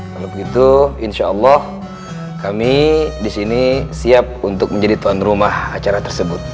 kalau begitu insyaallah kami disini siap untuk menjadi tuan rumah acara tersebut